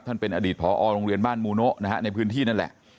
เป็นอดีตผอโรงเรียนบ้านมูโนะนะฮะในพื้นที่นั่นแหละ